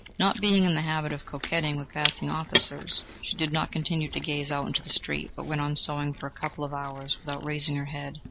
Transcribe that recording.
Not being in the habit of coquetting with passing officers, she did not continue to gaze out into the street, but went on sewing for a couple of hours, without raising her head.